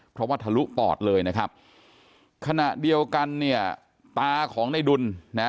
เพราะว่าทะลุปอดเลยนะครับขณะเดียวกันเนี่ยตาของในดุลนะ